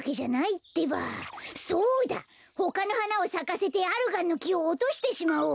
ほかのはなをさかせてアルガンのきをおとしてしまおう。